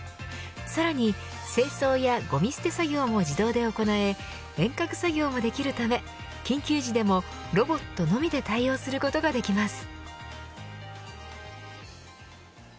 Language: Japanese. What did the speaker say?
さらに清掃やゴミ捨て作業も自動で行い遠隔作業もできるため緊急時でもロボットのみで対応することができます。